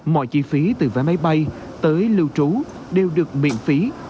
mọi chi phí từ vé máy bay tới lưu trú đều được miễn phí